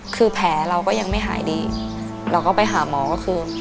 คือแผลเราก็ยังไม่หายดีเราก็ไปหาหมอก็คือ